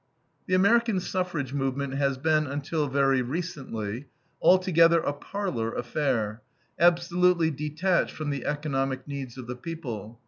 The American suffrage movement has been, until very recently, altogether a parlor affair, absolutely detached from the economic needs of the people.